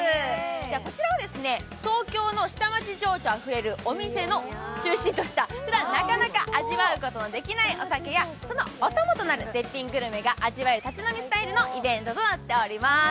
こちらは東京の下町情緒あふれるお店を中心としたふだんなかなか味わうことのできないお酒や絶品グルメが味わえる立ち飲みスタイルのイベントとなっています。